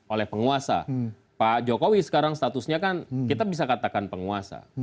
oleh penguasa pak jokowi sekarang statusnya kan kita bisa katakan penguasa